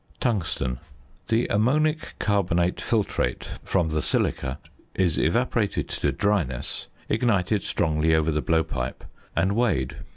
~Tungsten.~ The ammonic carbonate filtrate from the silica is evaporated to dryness, ignited strongly over the blowpipe, and weighed.